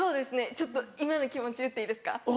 ちょっと今の気持ち言っていいですか？